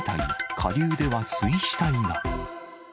下流では水死体が。